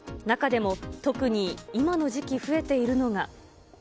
中でも特に今の時期増えているのが。